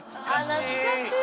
懐かしい！